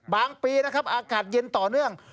ปีนะครับอากาศเย็นต่อเนื่อง